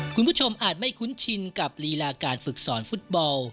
คุณผู้ชมอาจไม่คุ้นชินกับฤลาการฝึกสอนฟุตบอล